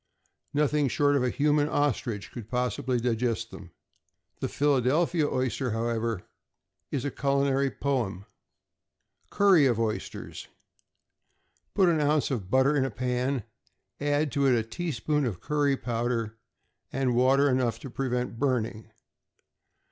Nothing short of a human ostrich could possibly digest them. The Philadelphia oyster, however, is a culinary poem. =Curry of Oysters.= Put an ounce of butter in a pan; add to it a teaspoon of curry powder, and water enough to prevent burning.